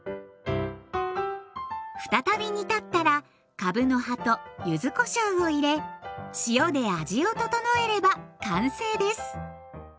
再び煮立ったらかぶの葉と柚子こしょうを入れ塩で味を調えれば完成です。